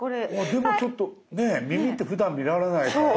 でもちょっとね耳ってふだん見られないから。